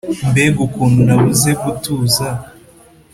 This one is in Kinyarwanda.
Mbega ukuntu nabuze gutuza,